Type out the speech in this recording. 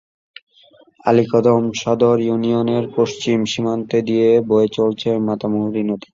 আলীকদম সদর ইউনিয়নের পশ্চিম সীমান্ত দিয়ে বয়ে চলেছে মাতামুহুরী নদী।